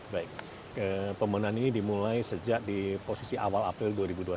baik pembunuhan ini dimulai sejak di posisi awal april dua ribu dua puluh